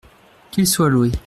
Qu’il soit loué.